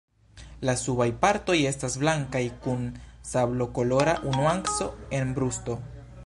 La subaj partoj estas blankaj kun sablokolora nuanco en brusto.